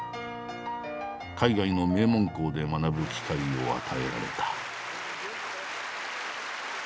海外の名門校で学ぶ機会を与えられた。